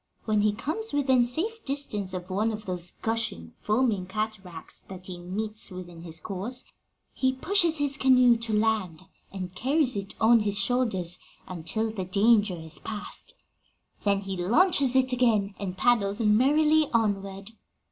When he comes within safe distance of one of those gushing, foaming cataracts that he meets with in his course, he pushes his canoe to land and carries it on his shoulders until the danger is past; then he launches it again, and paddles merrily onward.